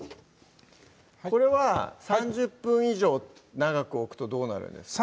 これは３０分以上長く置くとどうなるんですか？